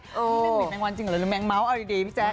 พี่แมงเวียแมงวันจริงหรือแมงเม้าเอาดีพี่แจ๊ค